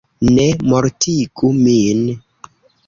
Ne mortigu min!